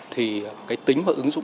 thì cái tính và ứng dụng